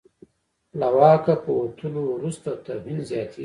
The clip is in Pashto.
له واکه په وتلو وروسته توهین زیاتېږي.